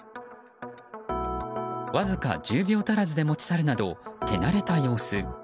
わずか１０秒足らずで持ち去るなど、手慣れた様子。